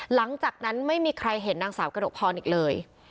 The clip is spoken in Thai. หลังจากนั้นไม่มีใครเห็นนางสาวกระหกพรอีกเลย